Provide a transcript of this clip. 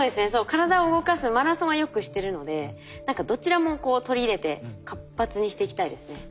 体を動かすマラソンはよくしてるので何かどちらも取り入れて活発にしていきたいですね脳を。